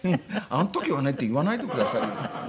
「あの時はね」って言わないでくださいよ。